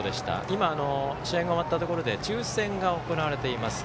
今、試合が終わったところで抽せんが行われています。